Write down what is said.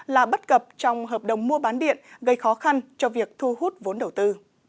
là bất cập trong hợp đồng mua bán điện gây khó khăn cho việc thu hút vốn đầu tư